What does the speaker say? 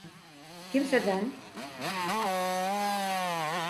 Kimseden…